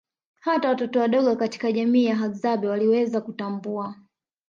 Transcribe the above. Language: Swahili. Hata watoto wadogo katika jamii ya hadzabe waliweza kutambua